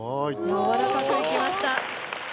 やわらかくいきました。